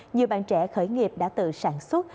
nhiều bạn trẻ khởi nghiệp đã tự sản xuất